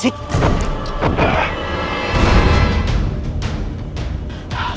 sudah cukup aku mengikuti orang lain